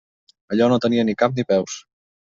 Allò no tenia ni cap ni peus.